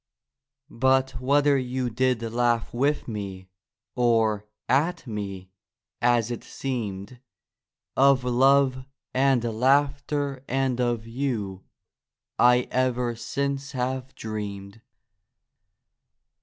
But whether you did laugh with me, Or at me, as it seemed— Of love and laughter and of you I ever since have dreamed.